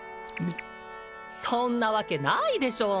そんなわけないでしょう